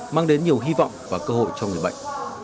mang đến nhiều hy vọng và cơ hội cho người bệnh